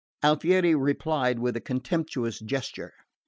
Alfieri replied with a contemptuous gesture.